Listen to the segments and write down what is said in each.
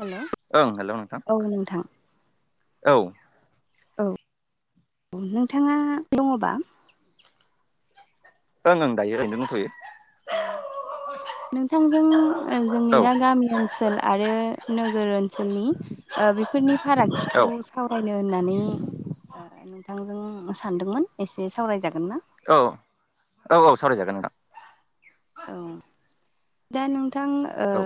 Hello. ओं hello नोंथां औ। औ औ नोंथाङा दङबा। ओं ओं दायो ओरैयनो दथ'यो। औ नोंथांजों जोंनि औ दा गामि ओनसो ओनसोल आरो नोगोर ओनसोलनि ओ बेफोरनि औ फारागथिखौ सावरायनो होननानै ओ नोंथांजों सानदोंमोन एसे सावरायजागोन ना? औ‌ औ औ सावरायजागोन नोंथां। औ दा नोंथां ओ औ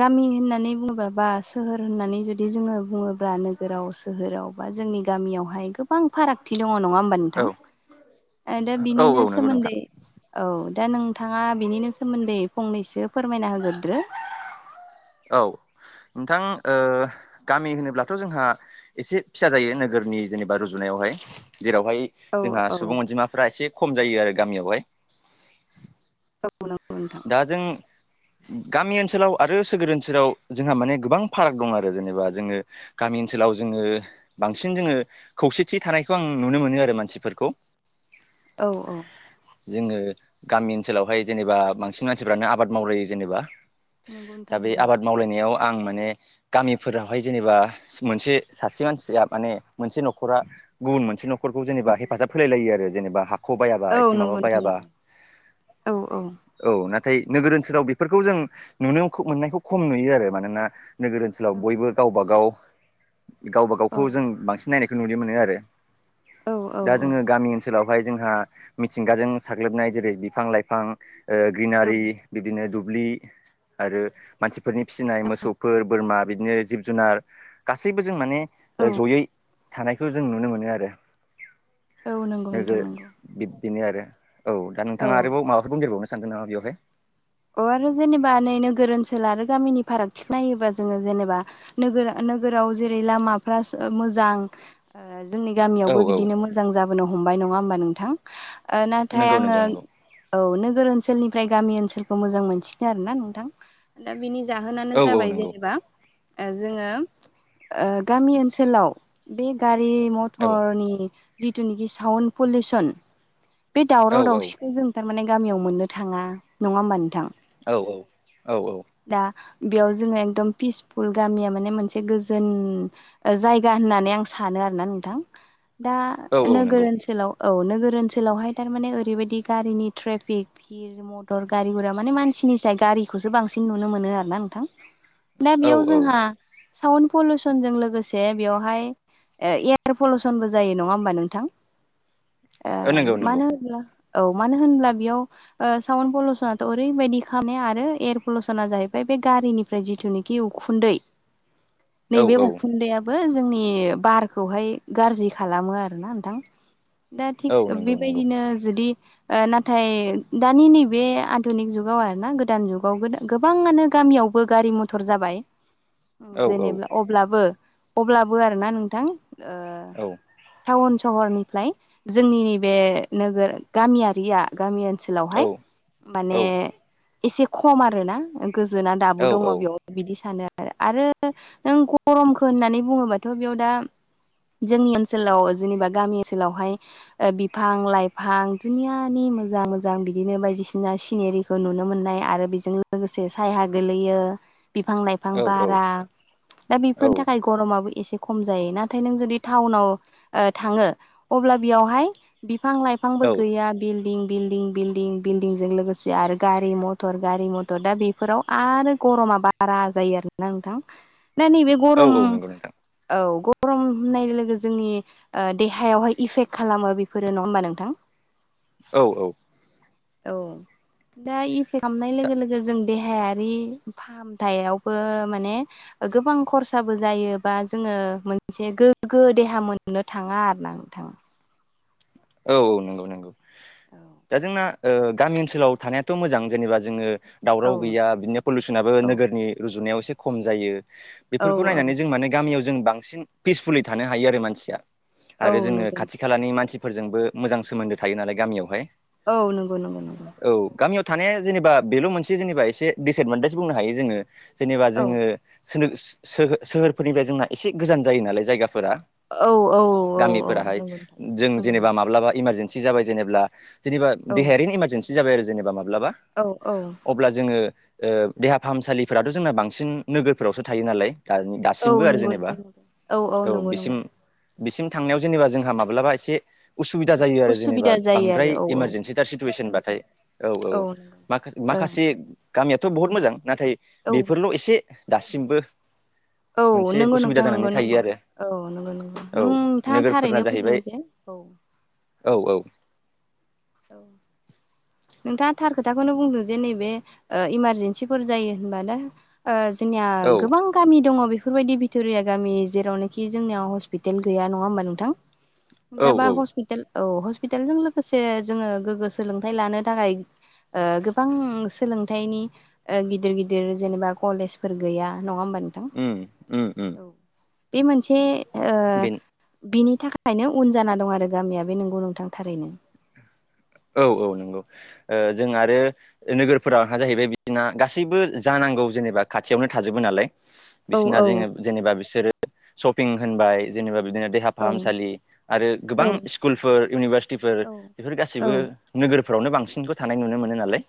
गामि होननानै बुङोब्ला बा सोहोर होननानै जुदि जोङो बुङोब्ला नोगोराव सोहोराव बा जोंनि गामियावहाय गोबां फारागथि दंङ नंङा होमब्ला औ नोंथां? दा औ बिनिनो औ नंगौ सोमोन्दै नोंथां औ दा नोंथाङा बिनिनो सोमोन्दै फंनैसो फोरमायना होग्रोदो। औ नोंथां ओ गामि होनोब्लाथ' जोंहा एसे फिसा जायो नोगोरनि जेनेबा रुजुनायावहाय जेरावहाय औ जोंहा औ सुबुं अनजिमाफोरा एसे खम जायो आरो गामियावहाय। औ नंगौ नोंथां। दा जों गामि ओनसोलाव आरो सोगोर ओनसोलाव जोंहा माने गोबां फाराग दं आरो जेनेबा जोङो गामि ओनसोलाव जोङो बांसिन जोङो खौसेथि थानायखौ आं नुनो मोनो आरो मानसिफोरखौ। औ औ। जोङो गामि ओनसोलावहाय जेनेबा बांसिन मानसिफ्रानो आबाद मावग्रोयो जेनेबा। नंगौ दा नोंथां बे नंगौ आबाद मावलायनायाव आं माने गामिफोरावहाय जेनेबा मोनसे सासे मानसिया माने मोनसे न'खरा गुबुन मोनसे न'खरखौ जेनेबा हेफाजाब होलाय लायो आरो जेनेबा हाखौ बायाबा औ एसे माबा नंगौ नोंथां बायाबा। औ औ औ नाथाय नोगोर ओनसोलाव बेफोरखौ जों नुनो मोननायखौ खम नुयो आरो मानोना नोगोर ओनसोलाव बयबो गावबा गाव गावबा औ गावखौ जों बांसिन नायनाय नुनो मोनो आरो दा जोङो गामि ओनसोलाव खौ हाय जोंहा मिथिंगाजों साग्लोबनाय जेरै बिफां-लाइफां ओ औ ग्रिनारि बिदिनो दुब्लि आरो मानसिफोरनि फिसिनाय मोसौफोर बोरमा बिदिनो जिब जुनार। गासैबो जों माने औ जयै थानायखौ जों नुनो मोनो आरो। औ नंगौ नोगो नोंथां नंगौ बिब्दिनो आरो औ दा औ नोंथाङा आरोबाव माबाफोर बुंदेरबावनो सानदों नामा बेवहाय? अ आरो जेनेबा नै नोगोर ओनसोल आरो गामिनि फारागथिखौ नायोबा जोङो जेनेबा नोगोर नोगोराव जेरै लामाफोरा मोजां। ओ जोंनि औ गामियावबो औ बिदिनो मोजां जाबोनो हमबाय नंङा होमबा नोंथां? ओ नाथाय नंगौ आङो नंगौ नंगौ औ नोगोर ओनसोलनिफ्राय गामि ओनसोल खौ मोजां मोनसिनो आरोना नोंथां दा बिनि जाहोनानो औ औ जाबाय नंगौ जेनेबा ओ जोङो गामि ओनसोलाव बे गारि मथ औ थर नि जिथुनिखि साउन पलिउसन बे औ दावराव औ दावसिखौ जों थारमाने गामियाव मोननो थाङा नङा होमबा नोंथां? औ औ औ औ। दा बेयाव जोङो एकदम पिसफुल गामिया माने मोनसे गोजोन ओ जायगा होननानै आं सानो आरोना नोंथां दा औ औ नोगोर नंगौ ओनसोलाव औ नोगोर ओनसोलावहाय थारमाने ओरैबायदि ट्रेफिक भिर गारि मथर गारि गुरा माने मानसिनि साय गारिखौसो बांसिन नुनो मोनो आरो ना नोंथां दा औ बेयाव जोंहा औ साउन्ड पलउसनजों लोगोसे बेवहाय ओ एयार पलुसनबो जायो नङा होमबा नोंथां? ओ नंगौ नंगौ मानो होनब्ला औ मानो होनब्ला बेयाव साउन पलसना ओरैबायदि खालामनाया आरो एयार पलुसना जाहैबाय बे गारिनिफ्राय जिथुनिखि उखुन्दै [inaudible] औ नैबे औ उखुन्दैयाबो जोंनि बारखौहाय गाज्रि खालामो आरो ना नोथां। दा औ थिग नंगौ नंगौ बिबायदिनो जुदि ओ नाथाय दानि नैबे। [unintelligible] धोनिग जुगाव आरो ना गोदान जुगाव [unintelligible] गोबाङानो गामियावबो गारि मथर जाबाय। औ औ दोनिब्ला अब्लाबो अब्लाबो आरोना नोंथां ओ। औ टाउन सहरनिफ्लाय जोंनि बे नोगोर गामियारिया गामि ओनसोलावहाय। औ माने औ एसे खम आरोना गोजोना औ दाबो दङ औ बेयाव। बिदि सानो आरो आरो नों गरमखौ होननानै बुङोबाथ बेयाव दा। जोंनि ओनसोलाव जिनिबा गामि ओनसोलावहाय। ओ बिफां लाइफां दुनियानि मोजां मोजां बिदिनो बायदिसि। ना सिंङिरिखौ नुनो मोननाय आरो बिजों लोगोसे सायहा गोलैयो। बिफां लाइफां औ बारा दा बेफोरनि औ थाखाय। गरमाबो एसे खम जायो नाथाय नों जुदि टाउनाव। ओ थाङो अब्ला बियावहाय बिफां लाइफ। औ फांबो गैया बिल्डिं बिल्डिं बिल्डं बिल्ड। दिंजों लोगोसे आरो गारि मथर गारि मटर दा बेफोराव आरो गरमा बा। आरा जायो आरोना नोंथां ना नैबे गरम। औ नंगौ नोंथां औ गरम होननाय लोगो जोंनि। ओ देहायावहाय इफेक्ट खालामो बेफोरो नङा होमबा नोंथां। औ औ। औ दा इफेक्ट आमनाय दा लोगो लोगो जों देहायारि फा। फाहामथायावबो माने। ओ गोबां खरसाबो जायोबा जोङो मोनसे गोग्गो देहा मोननो थाङा आरो ना। [unintelligible] औ नोंगौ नोंगौ औ दा जोंना। ओ गामि ओनसोलाव थानायाथ मोजां जेनेबा जोङो। दावराव गैया बिननो पलिउसनाबो औ नोगोरनि रुजुनायाव एसे खम जायो। औ बेफोरखौ औ नायनानै जों माने गामियाव जों बांसिन पिसफुलै थानो हायो आरो मानसिया आरो औ जोङो नंगौ खाथि खा। [unintelligible] खोलानि मानसिफोरजोंबो मोजां सोमोन्दो थायो नालाय गामियावहाय। औ नोंगौ नोंगौ नंगौ। औ गामियाव थानाया जेनेबा बेल मोनसे जेनेबा एसे बेसेदमोबैसे बुंनो हायो जोङो। जेनेबा औ जोङो सोनोगोस सोहो सोहोरफोरनिफ्राय जोंना एसे गोजान जायो नालाय जायगाफोरा। औ औ औ औ गामिफोराहाय नंगौ। [unintelligible] जों जेनेबा नंगौ माब्लाबा इमारजेनन्सि जाबाय जेनेब्ला जेनिबा औ देहायारिनि इमार। जेन्सि जाबाय आरो जेनेबा माब्लाबा। औ औ। अब्ला जोङो ओ देहा फाहामसालिफोराद जोंना बांसिन नोगोरफोरावसो थायो नालाय दानि दा। औ सिमबो आरो नंगौ जेनेबा नोंथां नंगौ औ नंगौ बिसिम नंगौ बिसिम थांनायाव जेनेबा जोंहा माब्लाबा एसे। उसुबिदा एसे जायो‌ आरो जेनेबा उसुबिदा जायो बांद्राय आरो औ औ इमारजेन्सि। टार सिटुवेसनबाथाय औ औ नंगौ माखा नोंथां ओं माखासे गामियाथ बहुत मोजां नाथाय बेफोरल ' एसे दासिमबो औ मोनसे नोंगौ उसुबिदा नोंथां जानानै नोंगौ नोंगौ थायो आरो औ नोंगौ नोंगौ औ नों थाङा नोगोरफोरना थारैनो बुंदों जाहैबाय जे औ। औ औ। औ। नोंथाङा थार खोथाखौनो बुंदों जे नैबे ओ इमारजेन्सिफोर जायो होनबा दा ओ जोंनिया औ गोबां गामि दङ बेफोरबायदि बिथुरिया गामि जेरावनोखि जोंनियाव हस्पिटेल गैया नङा होमबा नोंथां? औ दाबा औ हस्पिटाल औ हस्पितालजों लोगोसे जोङो गोग्गो सोलोंथाइ लानो थाखाय ओ गोबां सोलोंथाइनि ओ गिदिर गिदिर जेनेबा कलेजफोर गैया नङा होमबा नोंथां? उम उम उम। औ बे मोनसे ओ‌ बे बिनि थाखायनो उन जाना दं आरो गामिया बे नंगौ नोंथां थारैनो। औ औ नोंगौ जों आरो नोगोरफोराहा जाहैबाय बिदिना गासैबो जानांगौ जेनेबा खाथियावनो थाजोबो नालाय। औ बिसिना औ जोङो जेनेबा बिसोरो सशपिं होनबाय जेनेबा बिदिनो दे देहा औ फाहामसालि आरो गोबां औ स्कुलफोर इउनिभारसिटिफोर औ बेफोर औ गासैबो नोगोरफोरावनो बांसिनखो थानाय नुनो मोनो नालाय।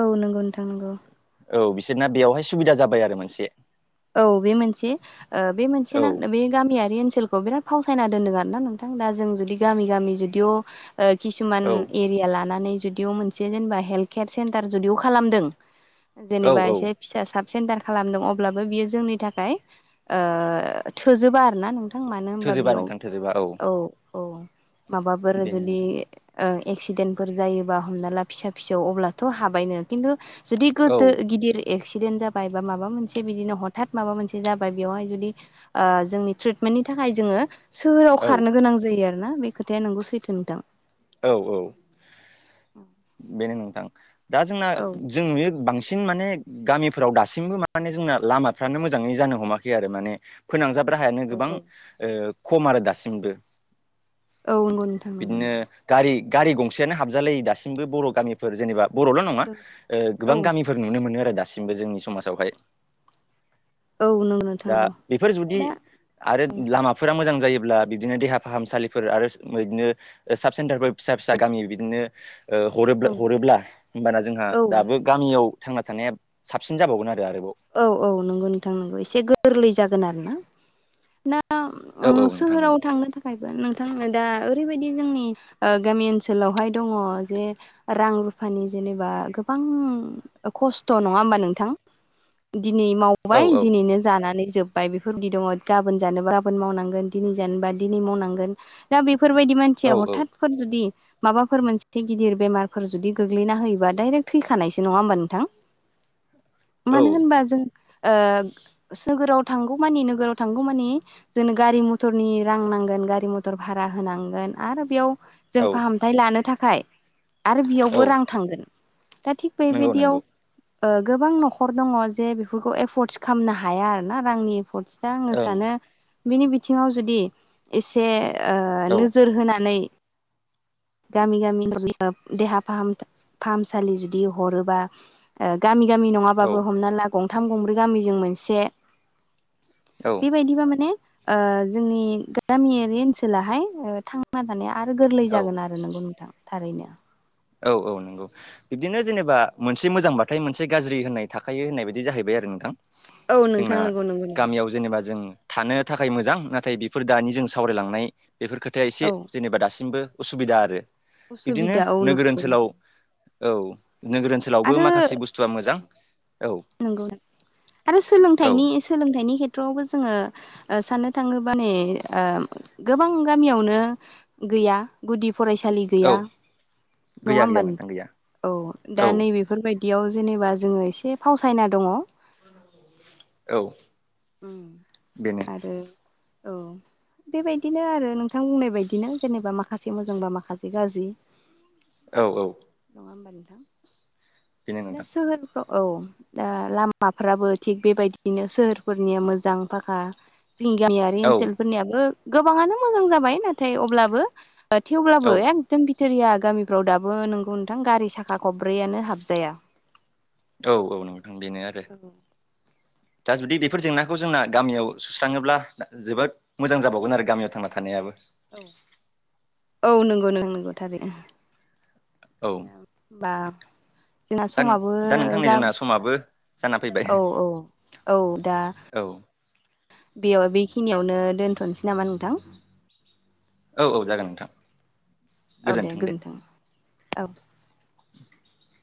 औ नोंगौ नोंथां नोंगौ। औ बिसोरना बेवहाय सुबिदा जाबाय आरो मोनसे। औ बे मोनसे ओ बे मोनसे औ ना बे गामियारि ओनसोलखौ बिराद फावसायना दोननो आरो ना नोंथां दा जों जुदि गामि गामि जुदिअ' ओ किसुमान औ इ बिया लानानै जुदिअ मोनसे जेनेबा हेल्थ केयार सेन्टार जुदिअ खालामदों औ जेनेबा औ एसे फिसा साब सेन्टार खालामदों अब्लाबो बियो जोंनि थाखाय ओ थोजोबा आरो ना नोंथां। थां मानो होनबा थोजोबा बेयाव नोंथां थोजोबा औ औ माबाफोर बेनो जुदि। नोंथां ओं एक्सिडेन्टफोर जायोबा हमना ला फिसा फिसौ अब्लाथ' हाबायनो खिन्थु जुदि औ गोदो गिदिर एक्सिडेन्ट जाबाय बा माबा मोनसे बिदिनो हथात माबा मोनसे जाबाय बेयावहाय जुदि ओ जोंनि ट्रिटमेन्टनि थाखाय जोङो सोहोराव औ खारनो गोनां जायो आरोना बे खोथाया नोंगौ सैथो नोंथां। औ औ बेनो नोंथां दा जोंना औ औ जों नुयो बांसिन माने गामिफोराव दासिमबो माने जोंना लामाफ्रानो मोजाङै जानो हमाखै आरो माने फोनांजाब राहायानो गोबां ओ खम आरो दासिमबो। औ औ नंगौ नोंथां नंगौ बिदिनो गारि गारि गंसेयानो हाबजालायो दासिमबो बर' गामि फोर जेनेबा बर'ल' नङा नंगौ ओ औ गोबां गामिफोर नुनो मोनो आरो दासिमबो जोंनि समाजावहाय। औ नंगौ नोंथां दा नंगौ बेफोर जुदि दा आरो लामा फोरा मोजां जायोब्ला बिदिनो देहा फाहामसालिफोर आरो सो बिदिनो साब सेन्टारफोर फिसा फिसा गामि बिदिनो ओ हरो औ हरोब्ला होमबाना जोंहा औ दाबो गामियाव थांना थानाया साबसिन जाबावगोन आरो आरोबाव। औ औ नंगौ नोंथां नोंगौ एसे गोरलै जागोन आरोना ना ना औ ओम औ नोंथां सोहोराव नंगौ थांनो था थायबो नोंथां दा ओरैबायदि जोंनि ओ गामि ओनसोलावहाय दङ जे। रां रुफानि जेनेबा गोबां ओ खस्थ' नङा होमबा नोंथां। दिनै औ मावबाय औ दिनैनो जानानै जोब बाय बेफोरबायदि दङ गाबोन जानोबा गाबोन मावनांगोन दिनै जानोबा दिनै मावनांगोन। दा बेफोरबायदि मानसिया हथातफोर जुदि माबाफोर मोनसे गिदिर बेमारफोर जुदि। गोग्लैना होयोबा डाइरेक्ट थैखानायसो नङा होमबा नोंथां औ मानो बा जों ओ सोगोराव थांगौ मानि नोगोराव थांगौ मानि। जोंनो गारि मथरनि रां नांगोन गारि मथर भारा होनांगोन आरो बेयाव। जों औ फाहामथाय लानो थाखाय आरो औ बेयावबो रां थांगोन। दा थिग नंगौ नंगौ बेबायदियाव गोबां ओ न'खर दङ। जे बेफोरखौ एफर्टस खालामनो हाया आरो ना रांनि एफर्ट आङो ओं सानो। बिनि बिथिङाव जुदि एसे ओ औ नोजोर होनानै। गामि गामि देहा फाहामसालि जुदि हरोबा। ओ गामि गामि औ नङाबाबो हमना ला गंथाम गंब्रै गामिजों मोनसे। औ। बेबायदिबा माने ओ जोंनि गामियारि ओनसोलाहाय ओ थां थांना थानाया आरो गोरलै औ जागोन आरो नोंगौ नोंथां थारैनो। औ औ नंगौ। बिब्दिनो जेनेबा मोनसे मोजांबाथाय मोनसे गाज्रि होननाय थाखायो होननाय बायदि जाहैबाय आरो नोंथां। औ नोंथां जोंना नंगौ नंगौ नंगौ। गामियाव जेनेबा जों। थानो थाखाय मोजां नाथाय बेफोर दानि जों सावरायलांनाय बेफोर खोथाया एसे औ जेनेबा दासिमबो। उसुबिदा आरो। बिब्दिनो उसुबिदा औ नंगौ। नोगोर ओनसोलाव नंगौ औ नोगोर ओनसोलावबो आरो माखासे बुस्थुआ मोजां। औ नंगौ नोंथां आरो औ सोलोंथाइनि सोलोंथाइनि खेथ्रआवबो जोङो। ओ साननो थाङोबा नेै ओ गोबां गामियावनो। गैया गुदि फरायसालि। औ गैया नङा गैया होमबा गैया गैया नोंथां औ दा नैबे। बेफोरबायदियाव जेनेबा जोङो एसे फावसायना दङ'। औ। उम बेनो आरो औ। बेबायदिनो आरो नोंथां बुंनाय बायदिनो जेनेबा माखासे मोजांबा माखासे गाज्रि। औ औ। नङा होमबा नोंथां बेनो दा नोंथां सो औ दा लामाफ्राबो थिग बेबायदिनो सोहोरफोरनिया मोजां फाखा। जोंनि गामियारि औ ओनसोलफोरनियाबो गोबाङानो मोजां जाबाय नाथाय अब्लाबो। औ थेवब्लाबो एखदम बिथोरिया गामिफ्राव दाबो नोंगौ नोंथां गारि साखा खब्रैआनो हाबजाया। औ औ नोंथां बेनो आरो। दा जुदि बेफोर जेंनाखौ जोंना गामियाव सुस्राङोब्ला जोबोद। मोजां जाबावगोन आरो गामियाव थांना थानायाबो। औ औ नंगौ नोंथां नंगौ थारैनो। औ होनबा जोंना दा समाबो दा नोंथांनि जा जोंना समाबो जाना फैबाय औ औ। औ दा औ बेयाव बेखिनियावनो दोनथ'नोसै नामा नोंथां। औ औ जागोन नोंथां। औ दे गोजोन्थों औ। [inaudible]